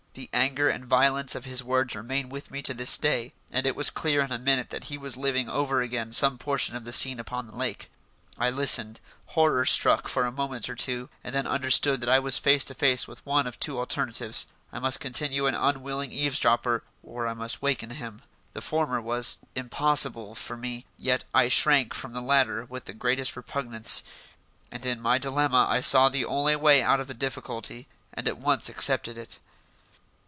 The anger and violence of his words remain with me to this day, and it was clear in a minute that he was living over again some portion of the scene upon the lake. I listened, horror struck, for a moment or two, and then understood that I was face to face with one of two alternatives: I must continue an unwilling eavesdropper, or I must waken him. The former was impossible for me, yet I shrank from the latter with the greatest repugnance; and in my dilemma I saw the only way out of the difficulty and at once accepted it.